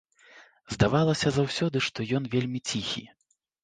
Здавалася заўсёды, што ён вельмі ціхі.